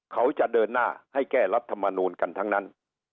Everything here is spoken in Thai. เขาจะเดินหน้าให้แก้รัฐมนูลกันทั้งนั้น